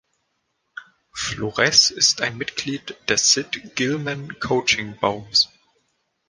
Flores ist ein Mitglied des Sid Gillman-Coaching-Baums.